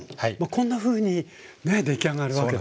こんなふうにね出来上がるわけですね。